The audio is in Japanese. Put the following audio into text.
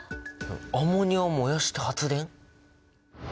アンモニアを燃やして発電？